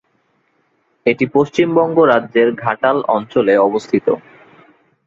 এটি পশ্চিমবঙ্গ রাজ্যের ঘাটাল অঞ্চলে অবস্থিত।